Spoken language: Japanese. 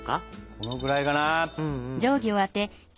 このくらいかな？